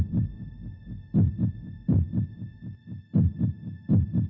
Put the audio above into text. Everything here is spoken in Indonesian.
ya ampun tuhan